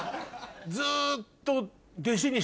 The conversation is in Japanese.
ずっと。